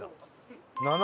７。